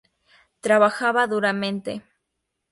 Trabajaba duramente.